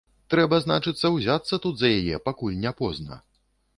Трэба, значыцца, узяцца тут за яе, пакуль не позна.